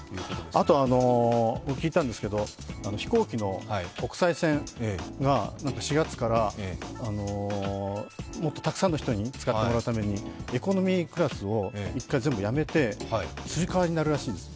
あと聞いたんですけど飛行機の国際線が４月からもっとたくさんの人に使ってもらうためにエコノミークラスを一回全部やめて、つり革になるらしいです。